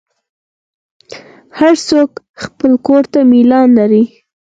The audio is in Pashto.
هر څوک خپل کور ته میلان لري.